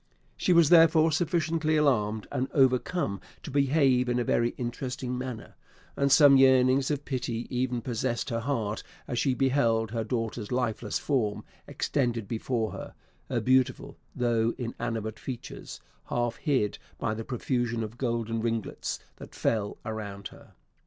She was therefore sufficiently alarmed and overcome to behave in a very interesting manner; and some yearnings of pity even possessed her heart as she beheld her daughter's lifeless form extended before her her beautiful, though inanimate features, half hid by the profusion of golden ringlets that fell around her.